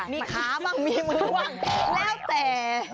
มีขาบ้างมีมือบ้างแล้วแต่